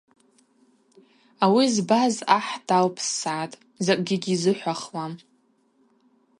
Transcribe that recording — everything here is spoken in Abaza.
Ауи збаз ахӏ далпссгӏатӏ, закӏгьи гьизыхӏвахуам.